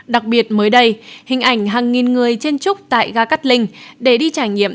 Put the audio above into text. đặc biệt mới đây hình ảnh hàng nghìn người trên trúc tại ga cát linh để đi trải nghiệm